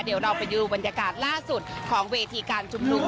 เดี๋ยวเราไปดูบรรยากาศล่าสุดของเวทีการชุมนุม